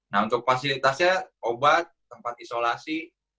nah untuk fasilitasnya obat tempat isolasi